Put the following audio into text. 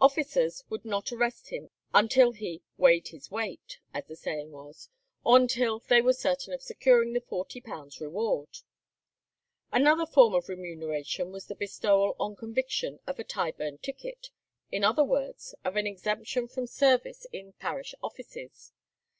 Officers would not arrest him until he "weighed his weight," as the saying was, or until they were certain of securing the £40 reward. Another form of remuneration was the bestowal on conviction of a "Tyburn ticket"; in other words, of an exemption from service in parish offices.